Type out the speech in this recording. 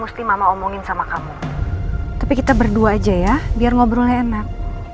pasti mama omongin sama kamu tapi kita berdua aja ya biar ngobrolnya enak